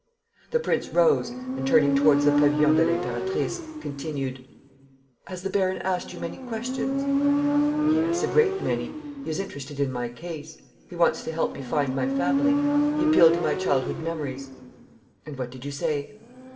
The prince rose and, turning towards the Pavillon de l'Impératrice, continued: "Has the baron asked you many questions?" "Yes, a great many. He is interested in my case. He wants to help me find my family. He appealed to my childhood memories." "And what did you say?"